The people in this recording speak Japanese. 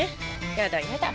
やだやだ。